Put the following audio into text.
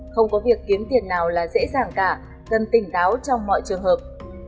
không có việc kiếm tiền nào là dễ dàng cả cần tỉnh táo trong mọi trường hợp